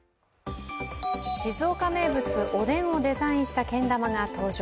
静岡名物おでんをデザインしたけん玉が登場。